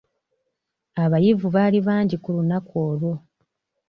Abayivu baali bangi ku lunaku olwo.